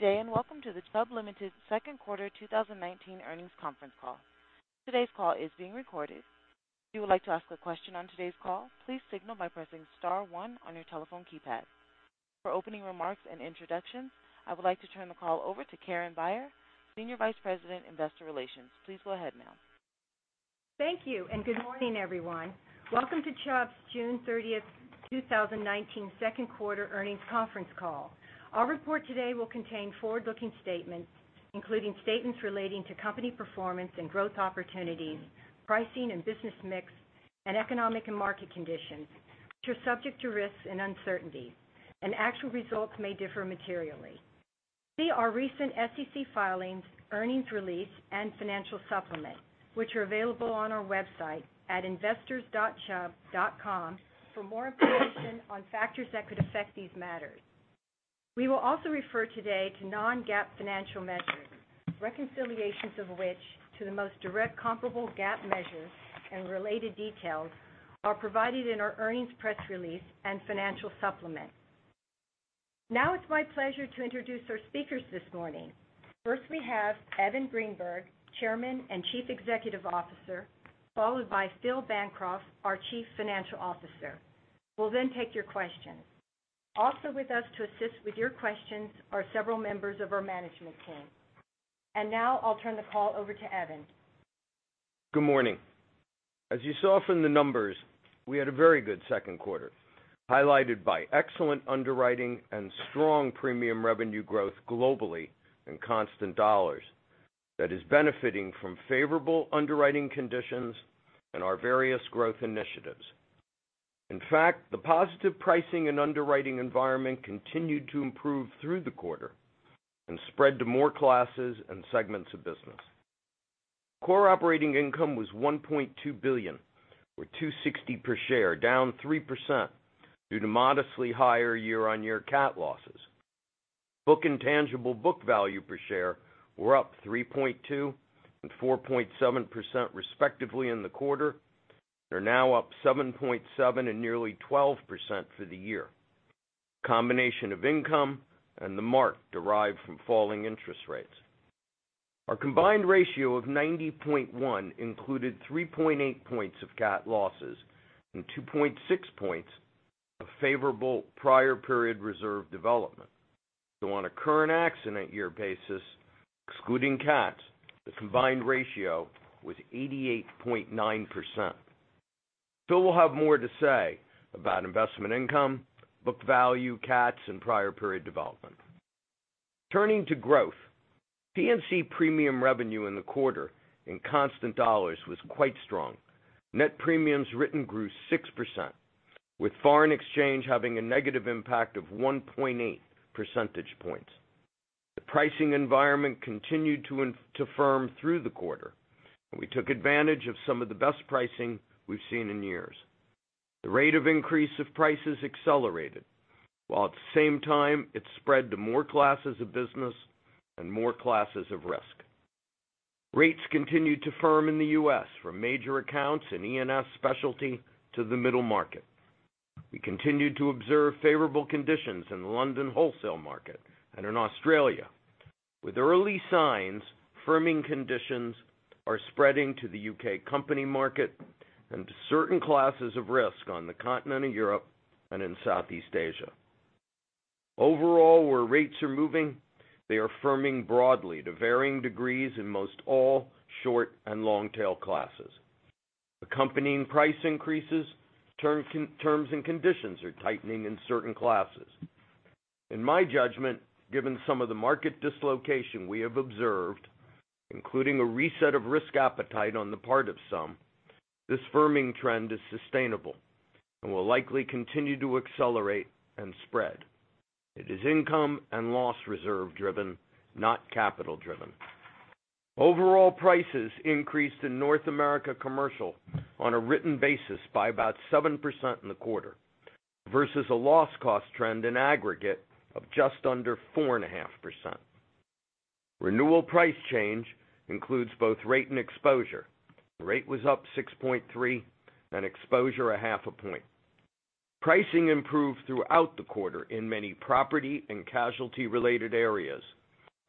Good day, and welcome to the Chubb Limited second quarter 2019 earnings conference call. Today's call is being recorded. If you would like to ask a question on today's call, please signal by pressing star one on your telephone keypad. For opening remarks and introductions, I would like to turn the call over to Karen Beyer, Senior Vice President, Investor Relations. Please go ahead, ma'am. Thank you. Good morning, everyone. Welcome to Chubb's June 30th, 2019 second quarter earnings conference call. Our report today will contain forward-looking statements, including statements relating to company performance and growth opportunities, pricing and business mix, and economic and market conditions, which are subject to risks and uncertainties, and actual results may differ materially. See our recent SEC filings, earnings release, and financial supplement, which are available on our website at investors.chubb.com for more information on factors that could affect these matters. We will also refer today to non-GAAP financial measures, reconciliations of which to the most direct comparable GAAP measures and related details are provided in our earnings press release and financial supplement. It's my pleasure to introduce our speakers this morning. First, we have Evan Greenberg, Chairman and Chief Executive Officer, followed by Phil Bancroft, our Chief Financial Officer. We'll take your questions. Also with us to assist with your questions are several members of our management team. I'll turn the call over to Evan. Good morning. As you saw from the numbers, we had a very good second quarter, highlighted by excellent underwriting and strong premium revenue growth globally in constant dollars that is benefiting from favorable underwriting conditions and our various growth initiatives. In fact, the positive pricing and underwriting environment continued to improve through the quarter and spread to more classes and segments of business. Core operating income was $1.2 billion, or $2.60 per share, down 3% due to modestly higher year-on-year CAT losses. Book and tangible book value per share were up 3.2% and 4.7% respectively in the quarter. They're now up 7.7% and nearly 12% for the year. A combination of income and the mark derived from falling interest rates. Our combined ratio of 90.1 included 3.8 points of CAT losses and 2.6 points of favorable prior period reserve development. On a current accident year basis, excluding CATs, the combined ratio was 88.9%. Phil will have more to say about investment income, book value, CATs, and prior period development. Turning to growth, P&C premium revenue in the quarter in constant dollars was quite strong. Net premiums written grew 6%, with foreign exchange having a negative impact of 1.8 percentage points. The pricing environment continued to firm through the quarter, and we took advantage of some of the best pricing we've seen in years. The rate of increase of prices accelerated, while at the same time it spread to more classes of business and more classes of risk. Rates continued to firm in the U.S. from major accounts and E&S specialty to the middle market. We continued to observe favorable conditions in the London wholesale market and in Australia, with early signs firming conditions are spreading to the U.K. company market and to certain classes of risk on the continent of Europe and in Southeast Asia. Overall, where rates are moving, they are firming broadly to varying degrees in most all short and long-tail classes. Accompanying price increases, terms and conditions are tightening in certain classes. In my judgment, given some of the market dislocation we have observed, including a reset of risk appetite on the part of some, this firming trend is sustainable and will likely continue to accelerate and spread. It is income and loss reserve driven, not capital driven. Overall prices increased in North America commercial on a written basis by about 7% in the quarter versus a loss cost trend in aggregate of just under 4.5%. Renewal price change includes both rate and exposure. The rate was up 6.3% and exposure a half a point. Pricing improved throughout the quarter in many property and casualty related areas,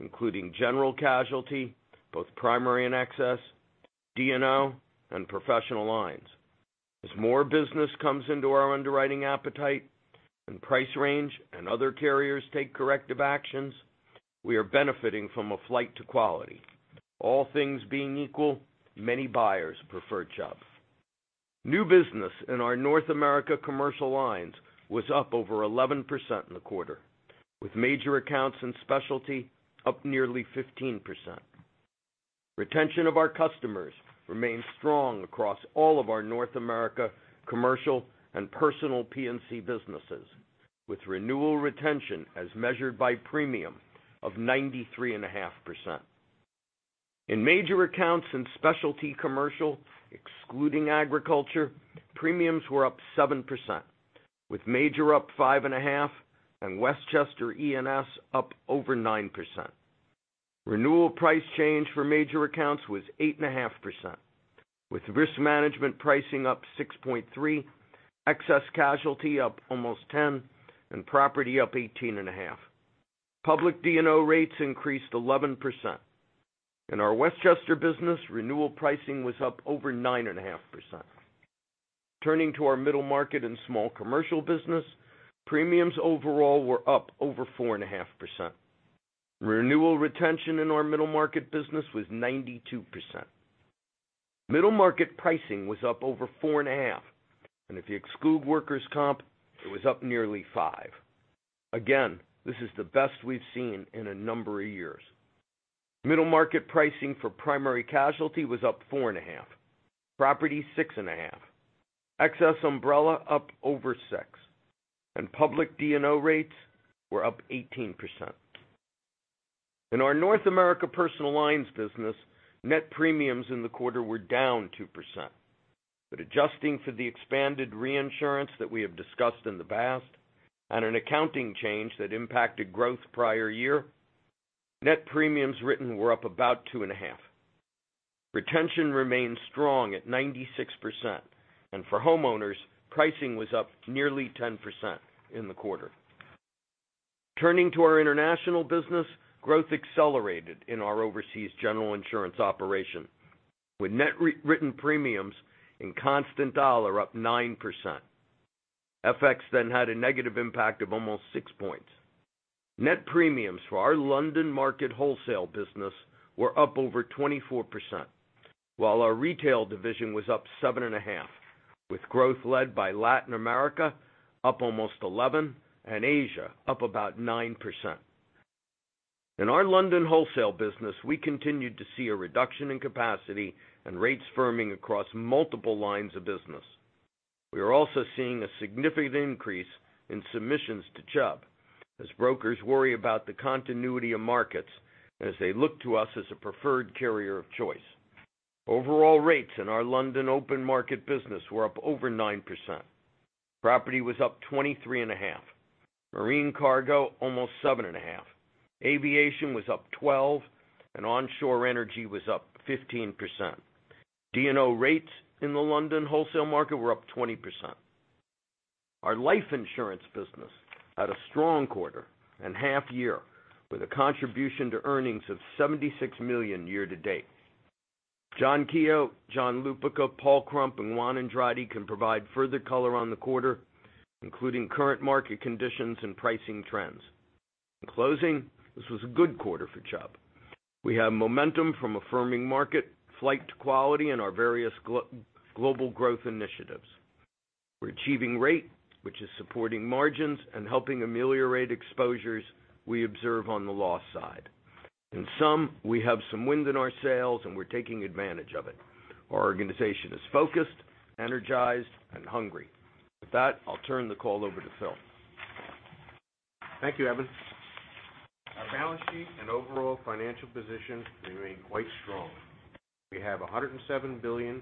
including general casualty, both primary and excess, D&O, and professional lines. As more business comes into our underwriting appetite and price range and other carriers take corrective actions, we are benefiting from a flight to quality. All things being equal, many buyers prefer Chubb. New business in our North America commercial lines was up over 11% in the quarter, with major accounts and specialty up nearly 15%. Retention of our customers remains strong across all of our North America commercial and personal P&C businesses, with renewal retention as measured by premium of 93.5%. In major accounts and specialty commercial, excluding agriculture, premiums were up 7%, with major up 5.5% and Westchester E&S up over 9%. Renewal price change for major accounts was 8.5%, with risk management pricing up 6.3%, excess casualty up almost 10%, and property up 18.5%. Public D&O rates increased 11%. In our Westchester business, renewal pricing was up over 9.5%. Turning to our middle market and small commercial business, premiums overall were up over 4.5%. Renewal retention in our middle market business was 92%. Middle market pricing was up over 4.5%, and if you exclude workers' comp, it was up nearly 5%. Again, this is the best we've seen in a number of years. Middle market pricing for primary casualty was up 4.5%, property 6.5%, excess umbrella up over 6%, and public D&O rates were up 18%. In our North America Personal Lines business, net premiums in the quarter were down 2%. Adjusting for the expanded reinsurance that we have discussed in the past and an accounting change that impacted growth prior year, net premiums written were up about 2.5%. Retention remains strong at 96%, and for homeowners, pricing was up nearly 10% in the quarter. Turning to our international business, growth accelerated in our overseas general insurance operation, with net written premiums in constant dollar up 9%. FX had a negative impact of almost 6 points. Net premiums for our London market wholesale business were up over 24%, while our retail division was up 7.5%, with growth led by Latin America up almost 11% and Asia up about 9%. In our London wholesale business, we continued to see a reduction in capacity and rates firming across multiple lines of business. We are also seeing a significant increase in submissions to Chubb as brokers worry about the continuity of markets as they look to us as a preferred carrier of choice. Overall rates in our London open market business were up over 9%. Property was up 23.5%, marine cargo almost 7.5%, aviation was up 12%, and onshore energy was up 15%. D&O rates in the London wholesale market were up 20%. Our life insurance business had a strong quarter and half year, with a contribution to earnings of $76 million year to date. John Keogh, John Lupica, Paul Krump, and Juan Andrade can provide further color on the quarter, including current market conditions and pricing trends. In closing, this was a good quarter for Chubb. We have momentum from a firming market, flight to quality in our various global growth initiatives. We're achieving rate, which is supporting margins and helping ameliorate exposures we observe on the loss side. In sum, we have some wind in our sails, and we're taking advantage of it. Our organization is focused, energized, and hungry. With that, I'll turn the call over to Phil. Thank you, Evan. Our balance sheet and overall financial position remain quite strong. We have a $107 billion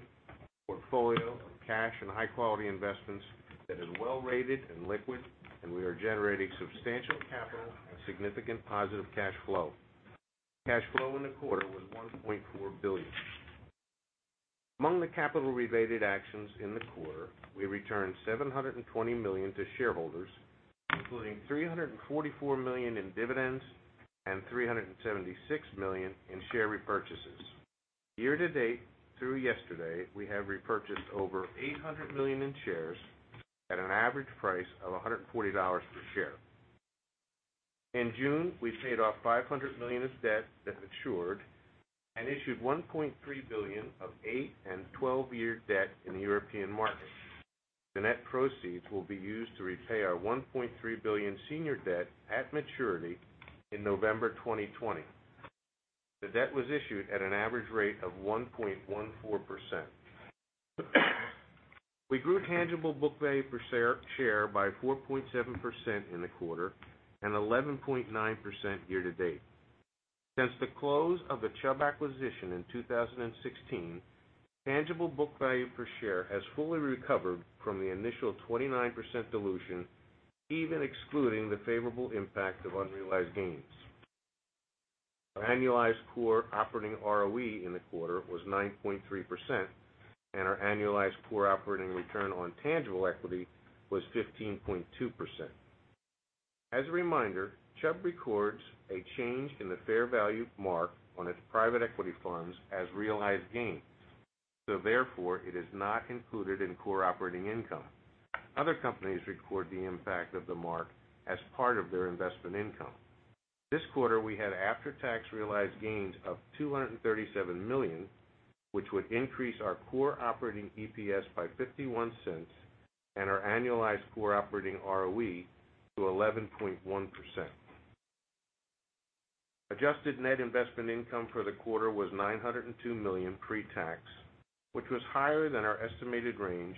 portfolio of cash and high-quality investments that is well-rated and liquid, and we are generating substantial capital and significant positive cash flow. Cash flow in the quarter was $1.4 billion. Among the capital-related actions in the quarter, we returned $720 million to shareholders, including $344 million in dividends and $376 million in share repurchases. Year to date, through yesterday, we have repurchased over $800 million in shares at an average price of $140 per share. In June, we paid off $500 million of debt that matured and issued 1.3 billion of eight and 12-year debt in the European market. The net proceeds will be used to repay our $1.3 billion senior debt at maturity in November 2020. The debt was issued at an average rate of 1.14%. We grew tangible book value per share by 4.7% in the quarter and 11.9% year to date. Since the close of the Chubb acquisition in 2016, tangible book value per share has fully recovered from the initial 29% dilution, even excluding the favorable impact of unrealized gains. Our annualized core operating ROE in the quarter was 9.3%, and our annualized core operating return on tangible equity was 15.2%. As a reminder, Chubb records a change in the fair value mark on its private equity funds as realized gains. Therefore, it is not included in core operating income. Other companies record the impact of the mark as part of their investment income. This quarter, we had after-tax realized gains of $237 million, which would increase our core operating EPS by $0.51 and our annualized core operating ROE to 11.1%. Adjusted net investment income for the quarter was $902 million pre-tax, which was higher than our estimated range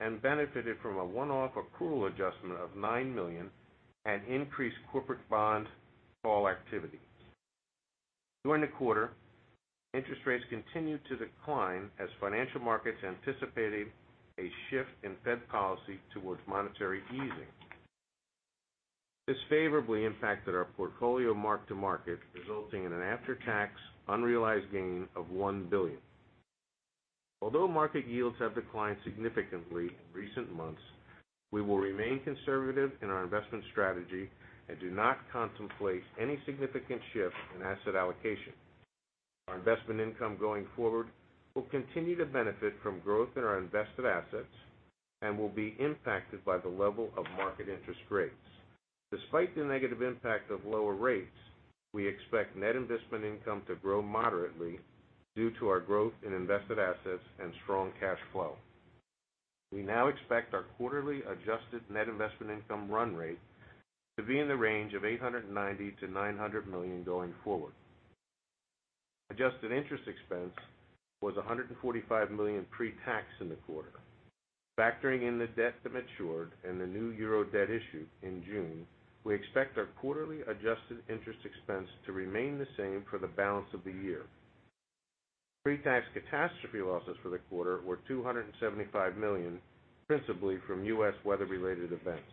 and benefited from a one-off accrual adjustment of $9 million and increased corporate bond call activity. During the quarter, interest rates continued to decline as financial markets anticipated a shift in Fed policy towards monetary easing. This favorably impacted our portfolio mark-to-market, resulting in an after-tax unrealized gain of $1 billion. Although market yields have declined significantly in recent months, we will remain conservative in our investment strategy and do not contemplate any significant shift in asset allocation. Our investment income going forward will continue to benefit from growth in our invested assets and will be impacted by the level of market interest rates. Despite the negative impact of lower rates, we expect net investment income to grow moderately due to our growth in invested assets and strong cash flow. We now expect our quarterly adjusted net investment income run rate to be in the range of $890 million-$900 million going forward. Adjusted interest expense was $145 million pre-tax in the quarter. Factoring in the debt that matured and the new EUR debt issued in June, we expect our quarterly adjusted interest expense to remain the same for the balance of the year. Pre-tax catastrophe losses for the quarter were $275 million, principally from U.S. weather-related events.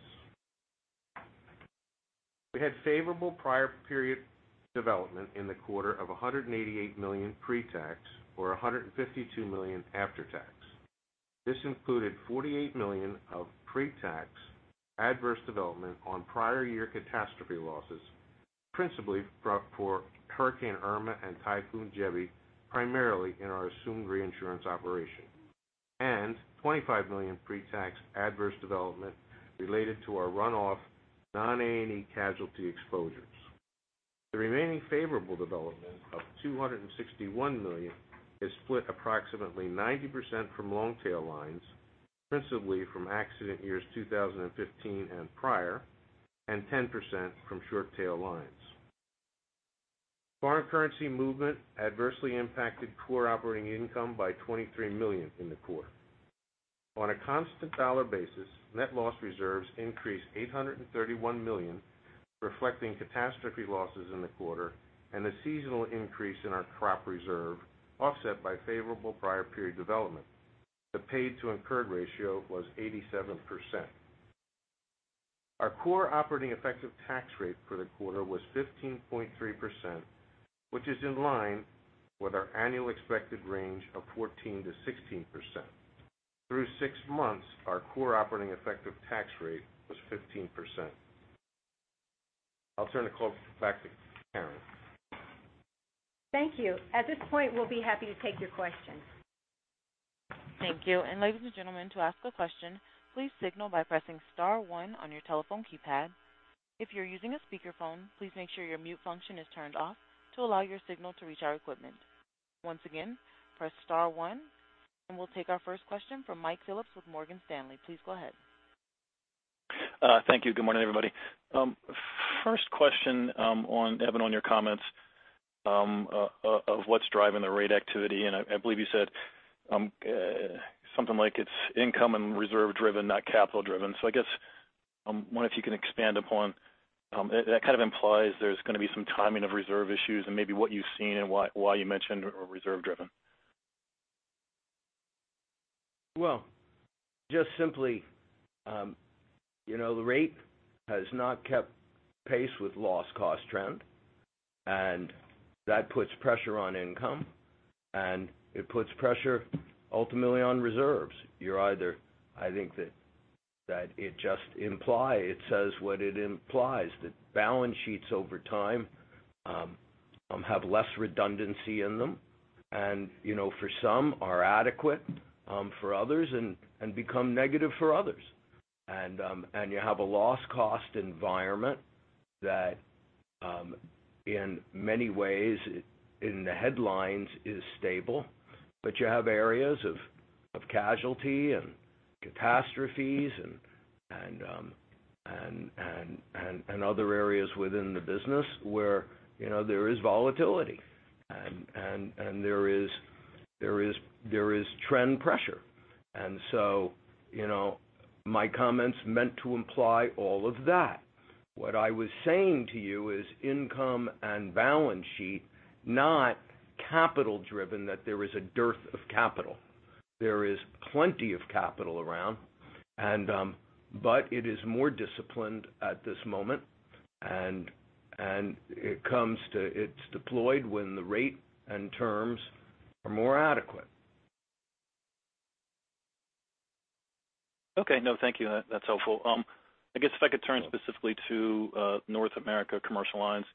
We had favorable prior period development in the quarter of $188 million pre-tax or $152 million after tax. This included $48 million of pre-tax adverse development on prior year catastrophe losses, principally for Hurricane Irma and Typhoon Jebi, primarily in our assumed reinsurance operation, and $25 million pre-tax adverse development related to our runoff non-A&E casualty exposures. The remaining favorable development of $261 million is split approximately 90% from long-tail lines, principally from accident years 2015 and prior, and 10% from short tail lines. Foreign currency movement adversely impacted core operating income by $23 million in the quarter. On a constant dollar basis, net loss reserves increased $831 million, reflecting catastrophe losses in the quarter and a seasonal increase in our crop reserve, offset by favorable prior period development. The paid to incurred ratio was 87%. Our core operating effective tax rate for the quarter was 15.3%, which is in line with our annual expected range of 14%-16%. Through six months, our core operating effective tax rate was 15%. I'll turn the call back to Karen. Thank you. At this point, we'll be happy to take your questions. Thank you. Ladies and gentlemen, to ask a question, please signal by pressing star 1 on your telephone keypad. If you're using a speakerphone, please make sure your mute function is turned off to allow your signal to reach our equipment. Once again, press star 1, and we'll take our first question from Mike Phillips with Morgan Stanley. Please go ahead. Thank you. Good morning, everybody. First question, Evan, on your comments of what's driving the rate activity, I believe you said something like it's income and reserve driven, not capital driven. I guess I wonder if you can expand upon, that kind of implies there's going to be some timing of reserve issues and maybe what you've seen and why you mentioned reserve driven. Well, just simply, the rate has not kept pace with loss cost trend, and that puts pressure on income, and it puts pressure ultimately on reserves. I think that it just implies, it says what it implies, that balance sheets over time have less redundancy in them and for some are adequate, and become negative for others. You have a loss cost environment that, in many ways, in the headlines is stable, but you have areas of casualty and catastrophes and other areas within the business where there is volatility and there is trend pressure. My comment's meant to imply all of that. What I was saying to you is income and balance sheet, not capital driven, that there is a dearth of capital. There is plenty of capital around. It is more disciplined at this moment, and it's deployed when the rate and terms are more adequate. Okay. No, thank you. That's helpful. I guess if I could turn specifically to North America Commercial Lines,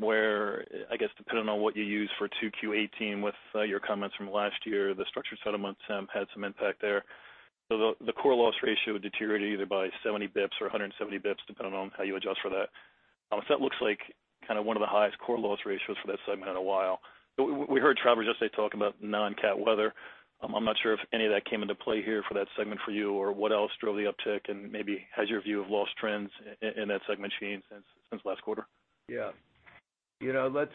where, I guess, depending on what you use for 2Q18, with your comments from last year, the structure settlements had some impact there. The core loss ratio deteriorated either by 70 basis points or 170 basis points, depending on how you adjust for that. That looks like one of the highest core loss ratios for that segment in a while. We heard Travelers yesterday talk about non-CAT weather. I'm not sure if any of that came into play here for that segment for you, or what else drove the uptick, and maybe has your view of loss trends in that segment changed since last quarter? Yeah. Let's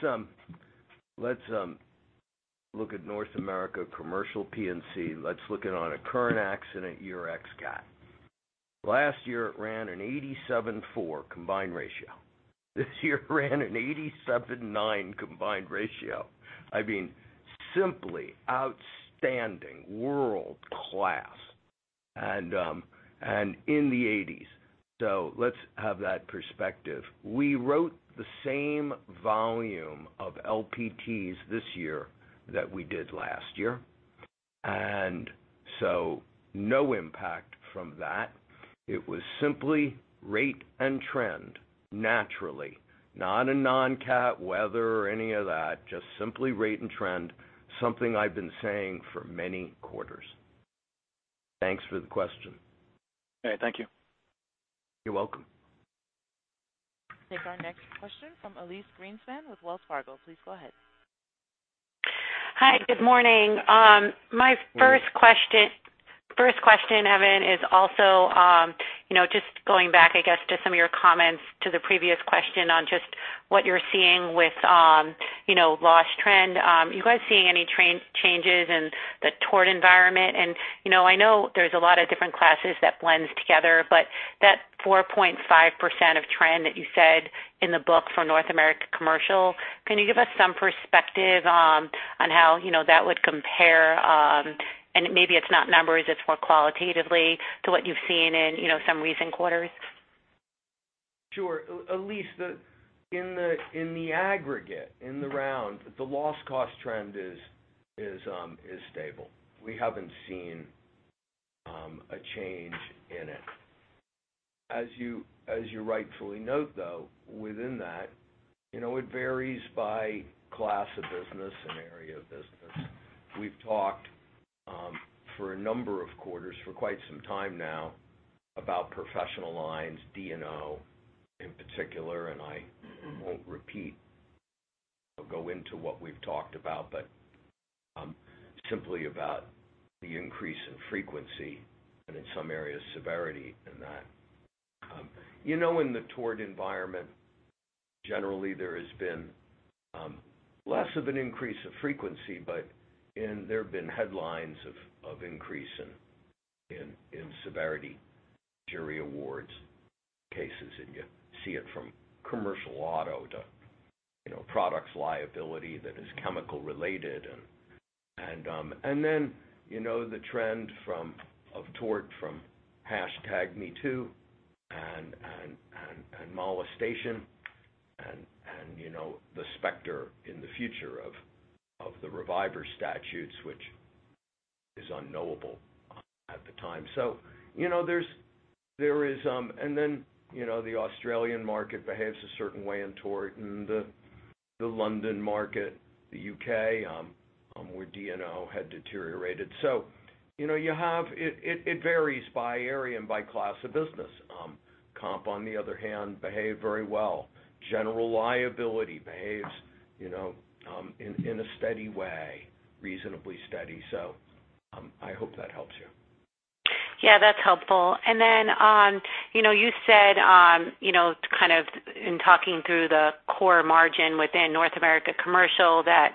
look at North America Commercial P&C. Let's look at it on a current accident year x CAT. Last year, it ran an 87/4 combined ratio. This year ran an 87/9 combined ratio. Simply outstanding, world-class, and in the 80s. Let's have that perspective. We wrote the same volume of LPTs this year that we did last year, no impact from that. It was simply rate and trend, naturally, not a non-CAT, weather, or any of that, just simply rate and trend, something I've been saying for many quarters. Thanks for the question. Okay. Thank you. You're welcome. Take our next question from Elyse Greenspan with Wells Fargo. Please go ahead. Hi. Good morning. My first question. Evan, is also just going back, I guess, to some of your comments to the previous question on just what you're seeing with loss trend. Are you guys seeing any changes in the tort environment? I know there's a lot of different classes that blends together, but that 4.5% of trend that you said in the book for North America Commercial, can you give us some perspective on how that would compare, and maybe it's not numbers, it's more qualitatively to what you've seen in some recent quarters? Sure. Elyse, in the aggregate, in the round, the loss cost trend is stable. We haven't seen a change in it. As you rightfully note, though, within that, it varies by class of business and area of business. We've talked for a number of quarters, for quite some time now, about professional lines, D&O in particular, I won't repeat or go into what we've talked about, but simply about the increase in frequency and in some areas severity in that. In the tort environment, generally there has been less of an increase of frequency, but there have been headlines of increase in severity, jury awards cases, and you see it from commercial auto to products liability that is chemical-related. Then, the trend of tort from #MeToo and molestation and the specter in the future of the reviver statutes, which is unknowable at the time. Then, the Australian market behaves a certain way in tort and the London market, the U.K., where D&O had deteriorated. It varies by area and by class of business. Comp, on the other hand, behaved very well. General liability behaves in a steady way, reasonably steady. I hope that helps you. Yeah, that's helpful. Then you said in talking through the core margin within North America Commercial, that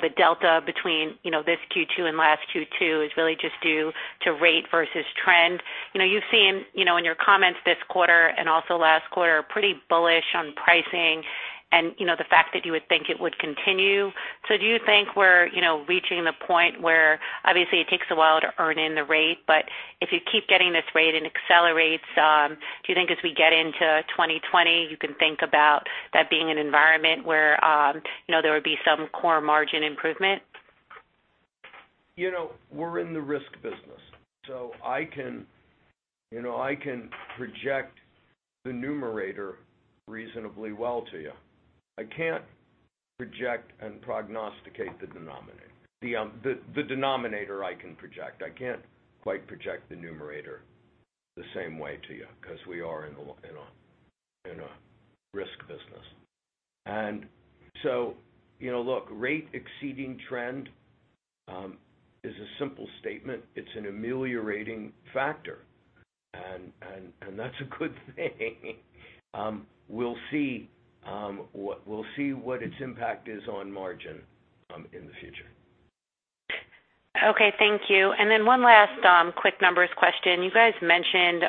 the delta between this Q2 and last Q2 is really just due to rate versus trend. You've seen in your comments this quarter and also last quarter, pretty bullish on pricing and the fact that you would think it would continue. Do you think we're reaching the point where, obviously it takes a while to earn in the rate, but if you keep getting this rate and accelerates, do you think as we get into 2020, you can think about that being an environment where there would be some core margin improvement? I can project the numerator reasonably well to you. I can't project and prognosticate the denominator. The denominator I can project. I can't quite project the numerator the same way to you because we are in a risk business. Look, rate exceeding trend is a simple statement. It's an ameliorating factor, and that's a good thing. We'll see what its impact is on margin in the future. Okay. Thank you. One last quick numbers question. You guys mentioned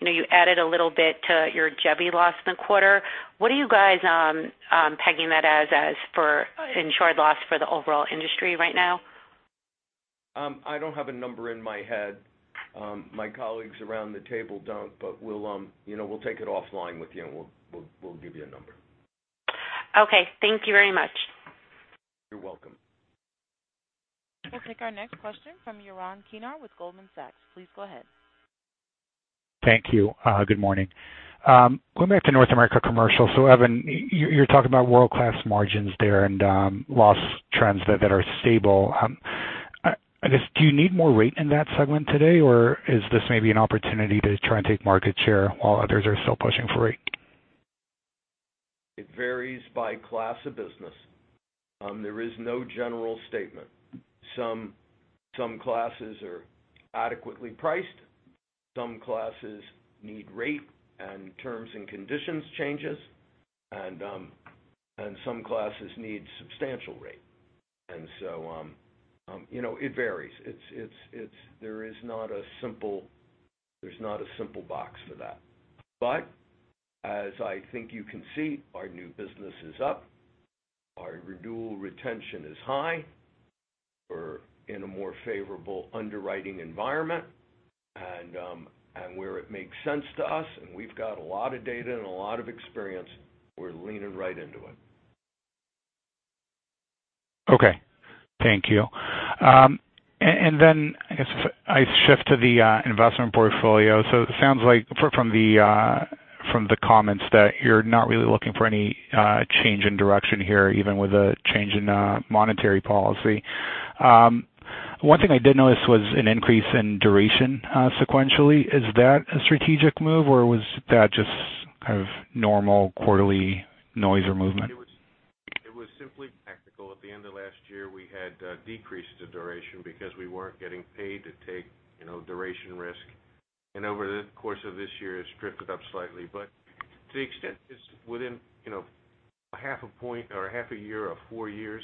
you added a little bit to your Jebi loss in the quarter. What are you guys pegging that as for insured loss for the overall industry right now? I don't have a number in my head. My colleagues around the table don't. We'll take it offline with you, and we'll give you a number. Okay. Thank you very much. You're welcome. We'll take our next question from Yaron Kinar with Goldman Sachs. Please go ahead. Thank you. Good morning. Going back to North America Commercial, so Evan, you're talking about world-class margins there and loss trends that are stable. I guess, do you need more rate in that segment today, or is this maybe an opportunity to try and take market share while others are still pushing for rate? It varies by class of business. There is no general statement. Some classes are adequately priced, some classes need rate and terms and conditions changes, and some classes need substantial rate. It varies. There's not a simple box for that. As I think you can see, our new business is up, our renewal retention is high. We're in a more favorable underwriting environment, and where it makes sense to us, and we've got a lot of data and a lot of experience, we're leaning right into it. Okay. Thank you. I guess if I shift to the investment portfolio, it sounds like from the comments that you're not really looking for any change in direction here, even with a change in monetary policy. One thing I did notice was an increase in duration sequentially. Is that a strategic move, or was that just kind of normal quarterly noise or movement? It was simply tactical. At the end of last year, we had decreased the duration because we weren't getting paid to take duration risk, and over the course of this year it's drifted up slightly. To the extent it's within half a point or half a year of four years,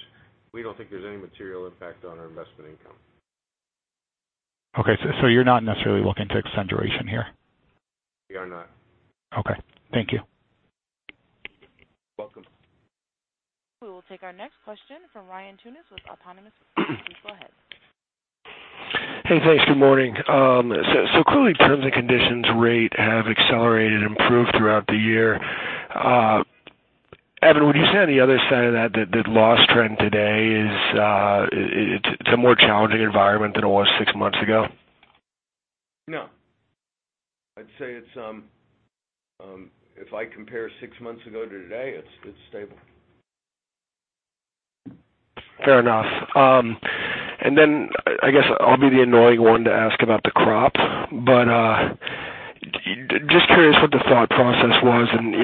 we don't think there's any material impact on our investment income. Okay, you're not necessarily looking to extend duration here? We are not. Okay. Thank you. You're welcome. We will take our next question from Ryan Tunis with Autonomous. Please go ahead. Hey, thanks. Good morning. Clearly terms and conditions rate have accelerated, improved throughout the year. Evan, would you say on the other side of that, the loss trend today, it's a more challenging environment than it was six months ago? No. I'd say if I compare six months ago to today, it's stable. Fair enough. Then I guess I'll be the annoying one to ask about the crop, just curious what the thought process was and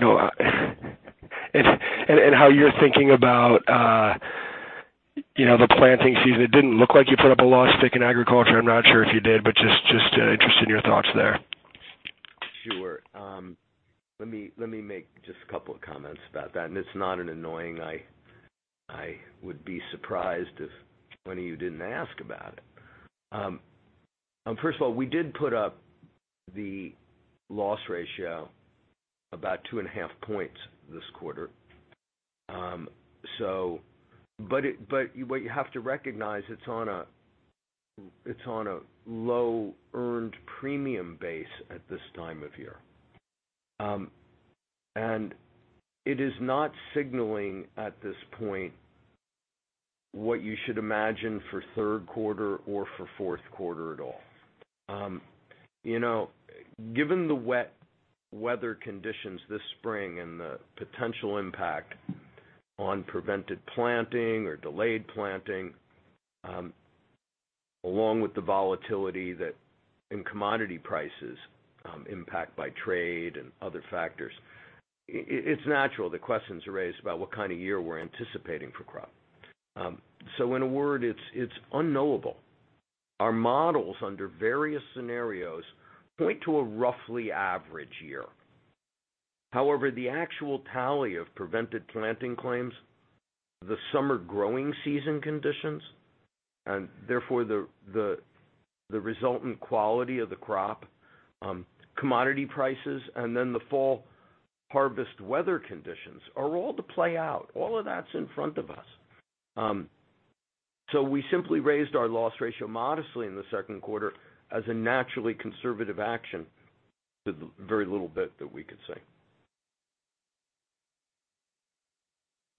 how you're thinking about the planting season. It didn't look like you put up a loss tick in agriculture. I'm not sure if you did, just interested in your thoughts there. Sure. Let me make just a couple of comments about that, and it's not annoying. I would be surprised if any of you didn't ask about it. First of all, we did put up the loss ratio about two and a half points this quarter. What you have to recognize, it's on a low earned premium base at this time of year. It is not signaling at this point what you should imagine for third quarter or for fourth quarter at all. Given the wet weather conditions this spring and the potential impact on prevented planting or delayed planting, along with the volatility in commodity prices, impact by trade and other factors, it's natural that questions are raised about what kind of year we're anticipating for crop. In a word, it's unknowable. Our models under various scenarios point to a roughly average year. However, the actual tally of prevented planting claims, the summer growing season conditions, and therefore the resultant quality of the crop, commodity prices, and then the fall harvest weather conditions are all to play out. All of that's in front of us. We simply raised our loss ratio modestly in the second quarter as a naturally conservative action with the very little bit that we could say.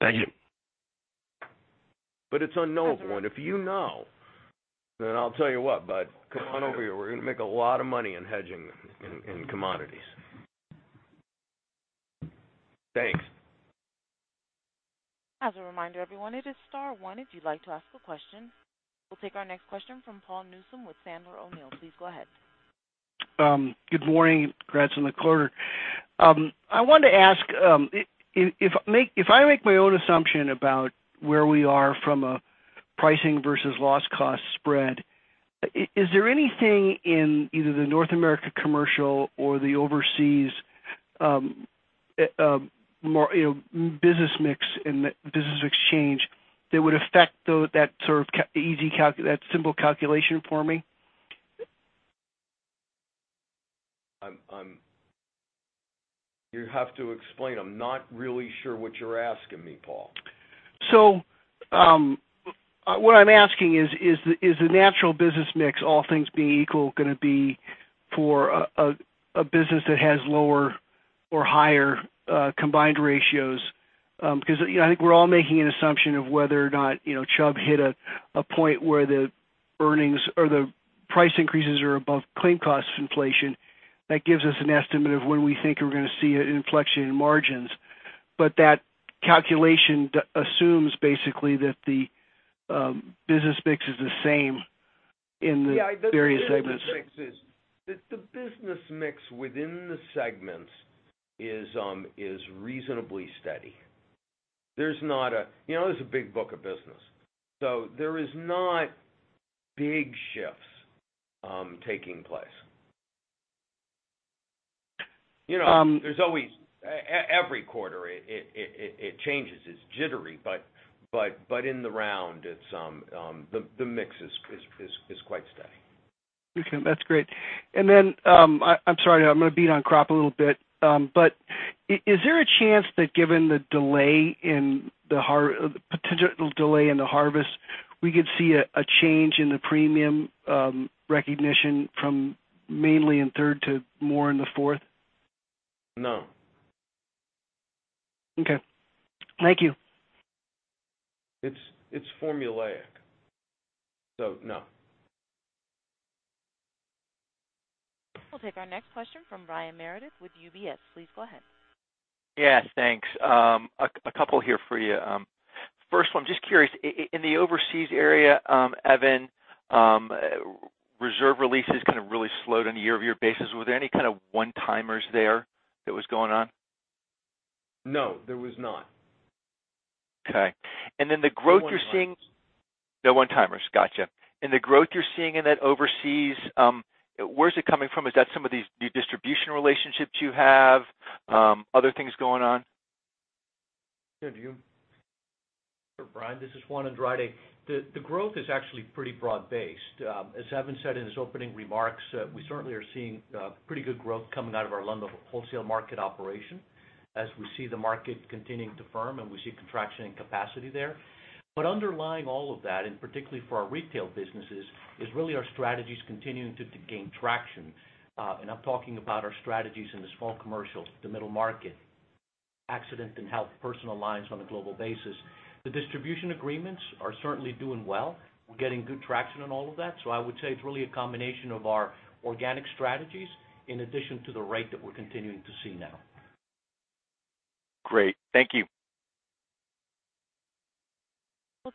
Thank you. It's unknowable, and if you know, then I'll tell you what, bud. Come on over here. We're going to make a lot of money in hedging in commodities. Thanks. As a reminder, everyone, it is star one if you'd like to ask a question. We'll take our next question from Paul Newsome with Sandler O'Neill. Please go ahead. Good morning. Congrats on the quarter. I wanted to ask, if I make my own assumption about where we are from a pricing versus loss cost spread, is there anything in either the North America commercial or the overseas business mix and the business exchange that would affect that simple calculation for me? You have to explain. I'm not really sure what you're asking me, Paul. What I'm asking is the natural business mix, all things being equal, going to be for a business that has lower or higher combined ratios? I think we're all making an assumption of whether or not Chubb hit a point where the earnings or the price increases are above claim cost inflation. That gives us an estimate of when we think we're going to see an inflection in margins. That calculation assumes basically that the business mix is the same in the various segments. Yeah. The business mix within the segments is reasonably steady. This is a big book of business. There is not big shifts taking place. There's always, every quarter it changes. It's jittery, but in the round, the mix is quite steady. Okay, that's great. Then, I'm sorry, I'm going to beat on crop a little bit. Is there a chance that given the potential delay in the harvest, we could see a change in the premium recognition from mainly in third to more in the fourth? No. Okay. Thank you. It's formulaic. No. We'll take our next question from Brian Meredith with UBS. Please go ahead. Yes, thanks. A couple here for you. First one, just curious, in the overseas area, Evan, reserve releases kind of really slowed on a year-over-year basis. Were there any kind of one-timers there that was going on? No, there was not. Okay. The growth you're seeing- No one-timers. No one-timers, gotcha. The growth you're seeing in that overseas, where's it coming from? Is that some of these new distribution relationships you have? Other things going on? Sure, do you? Sure, Brian, this is Juan Andrade. The growth is actually pretty broad-based. As Evan said in his opening remarks, we certainly are seeing pretty good growth coming out of our London wholesale market operation as we see the market continuing to firm, and we see contraction in capacity there. Underlying all of that, and particularly for our retail businesses, is really our strategies continuing to gain traction. I'm talking about our strategies in the small commercial, the middle market, Accident and Health personal lines on a global basis. The distribution agreements are certainly doing well. We're getting good traction on all of that. I would say it's really a combination of our organic strategies in addition to the rate that we're continuing to see now. Great. Thank you. We'll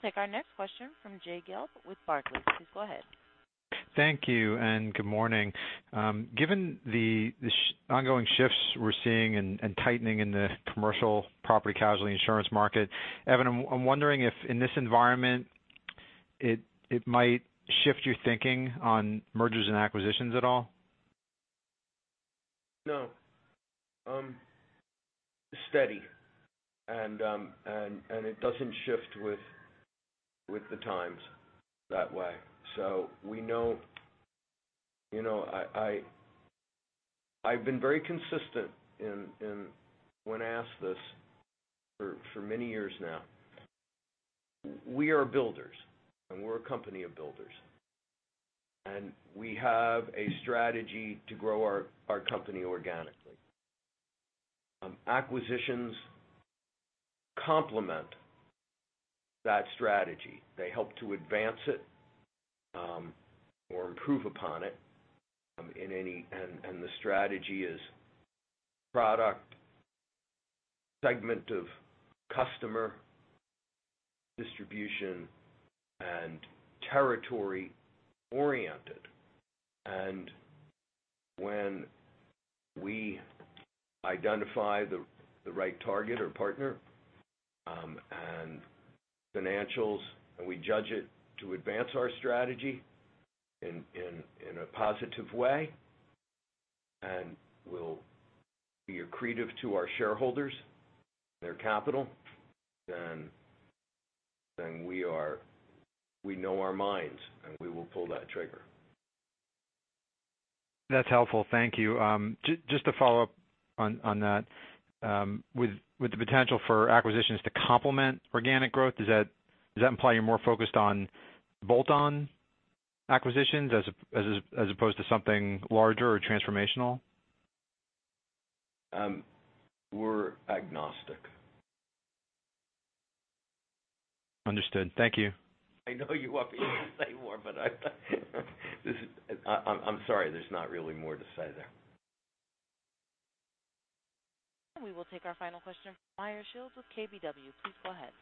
take our final question from Meyer Shields with KBW. Please go ahead.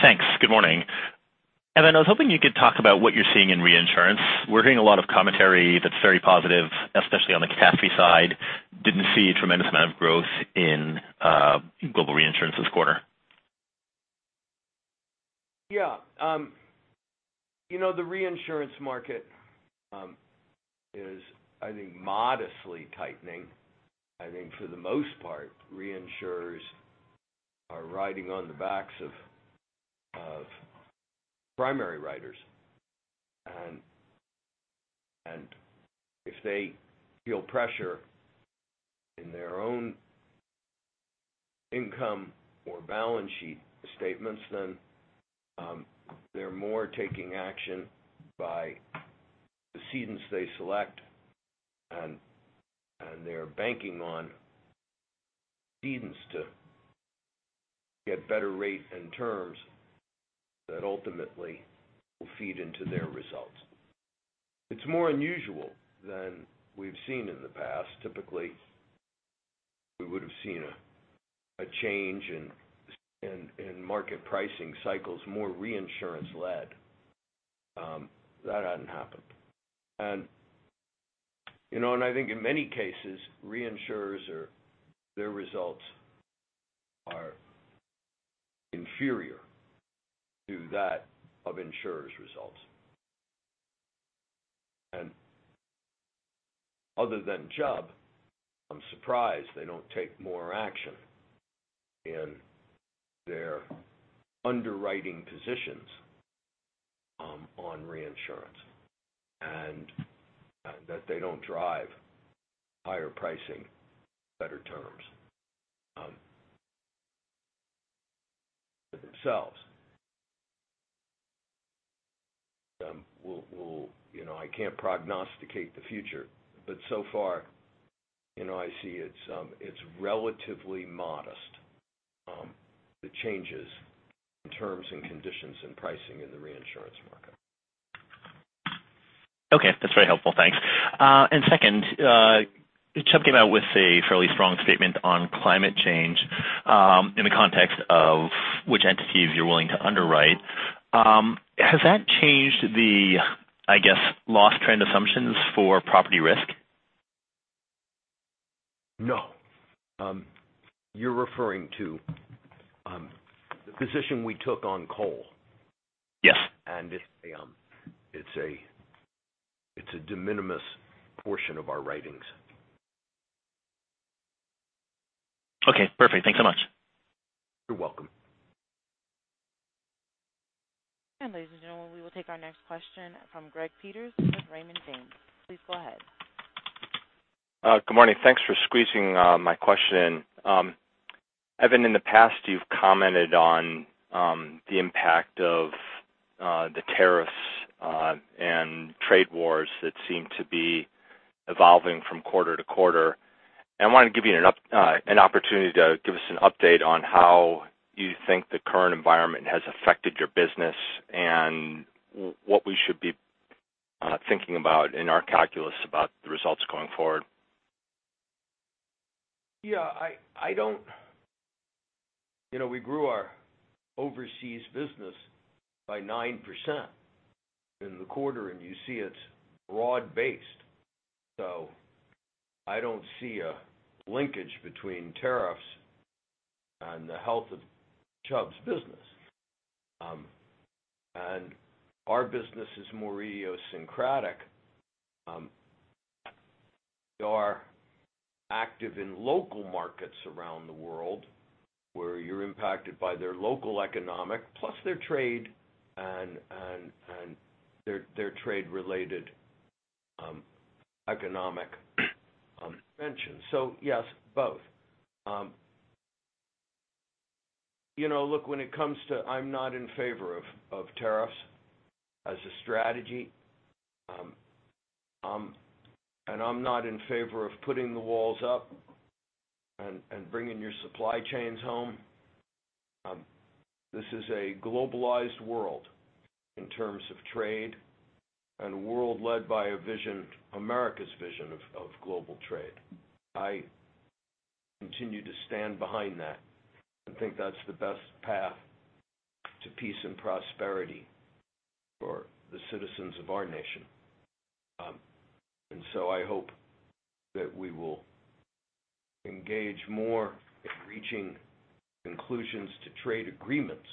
Thanks. Good morning. Evan, I was hoping you could talk about what you're seeing in reinsurance. We're hearing a lot of commentary that's very positive, especially on the catastrophe side. Didn't see a tremendous amount of growth in global reinsurance this quarter. Yeah. The reinsurance market is, I think, modestly tightening. I think for the most part, reinsurers are riding on the backs of primary writers. If they feel pressure in their own income or balance sheet statements, then they're more taking action by the cedents they select. They're banking on cedents to get better rate and terms that ultimately will feed into their results. It's more unusual than we've seen in the past. Typically, we would've seen a change in market pricing cycles, more reinsurance-led. That hadn't happened. I think in many cases, reinsurers or their results inferior to that of insurers' results. Other than Chubb, I'm surprised they don't take more action in their underwriting positions on reinsurance, and that they don't drive higher pricing, better terms for themselves. I can't prognosticate the future, so far, I see it's relatively modest, the changes in terms and conditions and pricing in the reinsurance market. Okay, that's very helpful. Thanks. Second, Chubb came out with a fairly strong statement on climate change in the context of which entities you're willing to underwrite. Has that changed the, I guess, loss trend assumptions for property risk? No. You're referring to the position we took on coal. Yes. It's a de minimis portion of our writings. Okay, perfect. Thanks so much. You're welcome. Ladies and gentlemen, we will take our next question from Greg Peters with Raymond James. Please go ahead. Good morning. Thanks for squeezing my question in. Evan, in the past, you've commented on the impact of the tariffs and trade wars that seem to be evolving from quarter to quarter. I wanted to give you an opportunity to give us an update on how you think the current environment has affected your business and what we should be thinking about in our calculus about the results going forward. We grew our overseas business by 9% in the quarter, and you see it's broad-based. I don't see a linkage between tariffs and the health of Chubb's business. Our business is more idiosyncratic. You are active in local markets around the world, where you're impacted by their local economic plus their trade and their trade related economic dimensions. Yes, both. Look, when it comes to it, I'm not in favor of tariffs as a strategy. I'm not in favor of putting the walls up and bringing your supply chains home. This is a globalized world in terms of trade and a world led by America's vision of global trade. I continue to stand behind that and think that's the best path to peace and prosperity for the citizens of our nation. I hope that we will engage more in reaching conclusions to trade agreements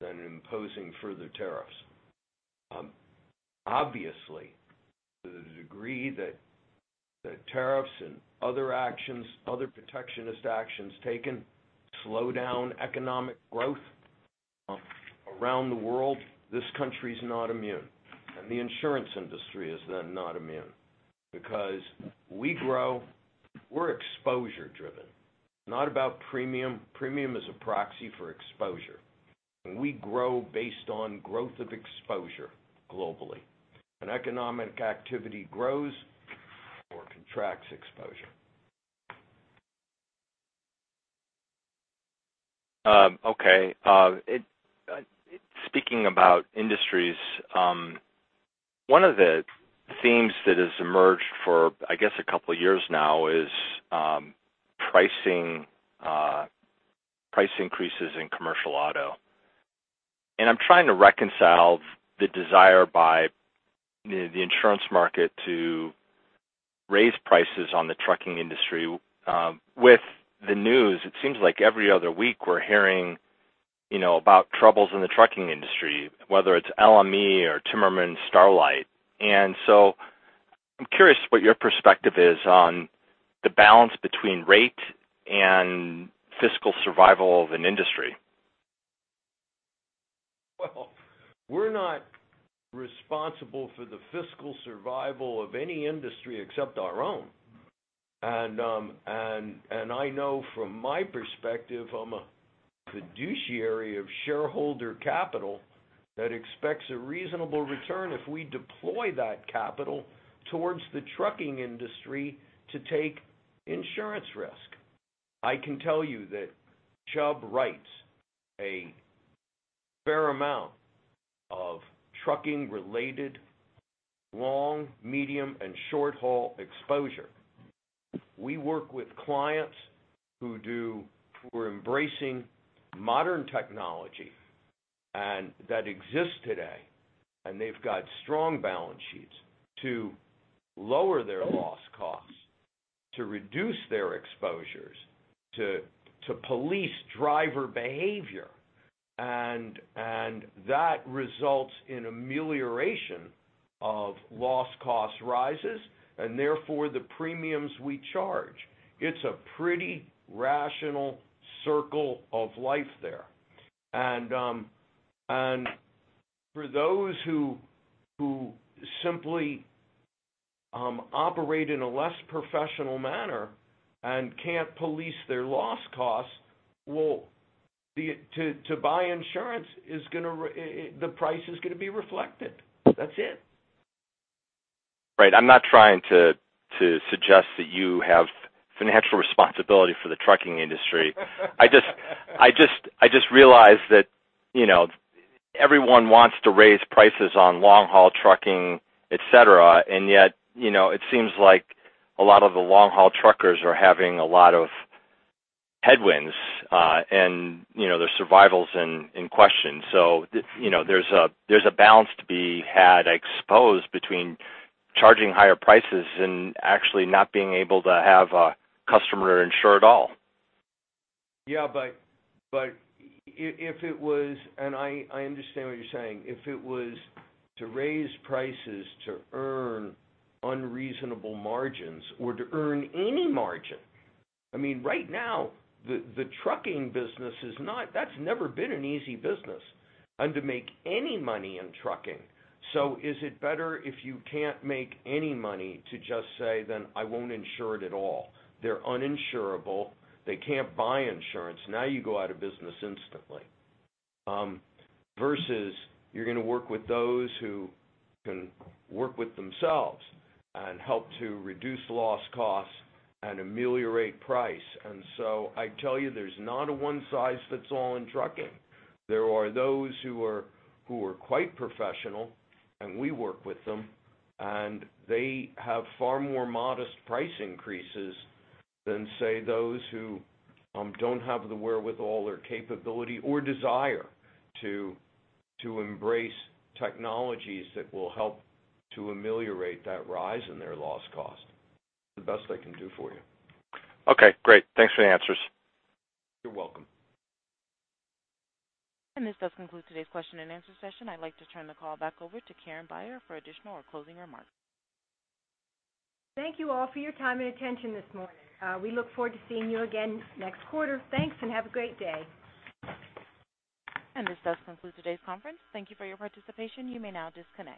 than imposing further tariffs. Obviously, to the degree that tariffs and other protectionist actions taken slow down economic growth around the world, this country's not immune, and the insurance industry is then not immune because we grow, we're exposure driven, not about premium. Premium is a proxy for exposure. We grow based on growth of exposure globally. Economic activity grows or contracts exposure. Okay. Speaking about industries, one of the themes that has emerged for, I guess, a couple of years now is price increases in commercial auto. I'm trying to reconcile the desire by the insurance market to raise prices on the trucking industry with the news. It seems like every other week we're hearing about troubles in the trucking industry, whether it's LME or Timmerman Starlite. I'm curious what your perspective is on the balance between rate and fiscal survival of an industry. Well, we're not responsible for the fiscal survival of any industry except our own. I know from my perspective, I'm a fiduciary of shareholder capital that expects a reasonable return if we deploy that capital towards the trucking industry to take insurance risk. I can tell you that Chubb writes a fair amount of trucking related long, medium, and short haul exposure. We work with clients who are embracing modern technology that exist today. They've got strong balance sheets to lower their loss costs, to reduce their exposures, to police driver behavior. That results in amelioration of loss cost rises and therefore the premiums we charge. It's a pretty rational circle of life there. For those who simply operate in a less professional manner and can't police their loss costs, well, to buy insurance, the price is going to be reflected. That's it. Right. I'm not trying to suggest that you have financial responsibility for the trucking industry. I just realize that everyone wants to raise prices on long-haul trucking, et cetera. Yet it seems like a lot of the long-haul truckers are having a lot of headwinds, and their survival's in question. There's a balance to be had, I suppose, between charging higher prices and actually not being able to have a customer to insure at all. Yeah, if it was, I understand what you're saying, if it was to raise prices to earn unreasonable margins or to earn any margin. Right now, the trucking business is not. That's never been an easy business. To make any money in trucking. Is it better if you can't make any money to just say, I won't insure it at all? They're uninsurable. They can't buy insurance. Now you go out of business instantly. Versus you're going to work with those who can work with themselves and help to reduce loss costs and ameliorate price. I tell you, there's not a one size fits all in trucking. There are those who are quite professional, and we work with them, and they have far more modest price increases than, say, those who don't have the wherewithal or capability or desire to embrace technologies that will help to ameliorate that rise in their loss cost. The best I can do for you. Okay, great. Thanks for the answers. You're welcome. This does conclude today's question and answer session. I'd like to turn the call back over to Karen Beyer for additional or closing remarks. Thank you all for your time and attention this morning. We look forward to seeing you again next quarter. Thanks, have a great day. This does conclude today's conference. Thank you for your participation. You may now disconnect.